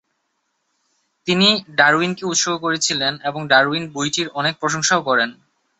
তিনি ডারউইনকে উৎসর্গ করেছিলেন এবং ডারউইন বইটির অনেক প্রশংসাও করেন।